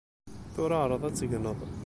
Tura ɛreḍ ad tegneḍ.